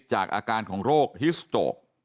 จากอาการของโรคฮิสโตรก